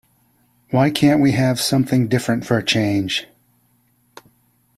Why can't we have something different for a change?